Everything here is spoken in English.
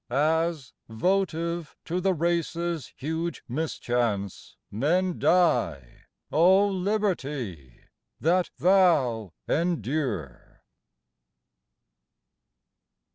As, votive to the race s huge mischance, Men die, O Liberty! that thou endure.